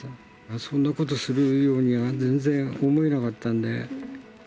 そんなことするようには全然思えなかったんで。